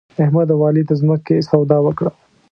احمد او علي د ځمکې سودا وکړه.